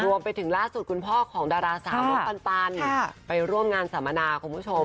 รวมไปถึงล่าสุดคุณพ่อของดาราสาวน้องปันไปร่วมงานสัมมนาคุณผู้ชม